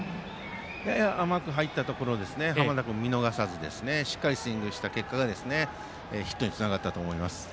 やや甘く入ったところ濱田君、見逃さずしっかりスイングした結果がヒットにつながったと思います。